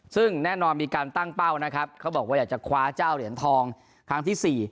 ซึ่งแน่นอนมีการตั้งเป้านะครับเขาบอกว่าอยากจะคว้าเจ้าเหรียญทองครั้งที่๔